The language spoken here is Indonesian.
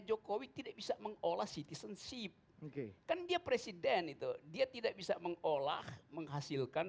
jokowi tidak bisa mengolah citizenship oke kan dia presiden itu dia tidak bisa mengolah menghasilkan